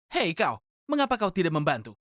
hei kau mengapa kau tidak membantu